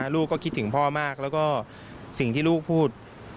ลูกก็คิดถึงพ่อมากแล้วก็สิ่งที่ลูกพูด